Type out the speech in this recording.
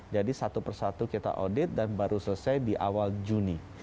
jadi satu persatu kita audit dan baru selesai di awal juni